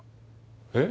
えっ？